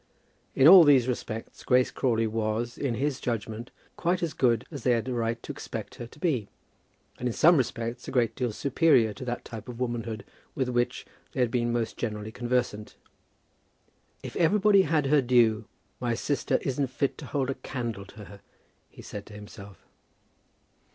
In all these respects Grace Crawley was, in his judgment, quite as good as they had a right to expect her to be, and in some respects a great deal superior to that type of womanhood with which they had been most generally conversant. "If everybody had her due, my sister isn't fit to hold a candle to her," he said to himself.